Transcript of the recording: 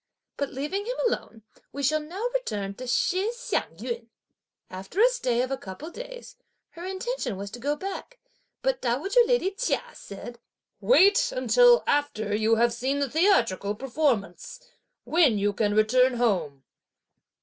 But leaving him alone we shall now return to Shih Hsiang yün. After a stay of a couple of days, her intention was to go back, but dowager lady Chia said: "Wait until after you have seen the theatrical performance, when you can return home."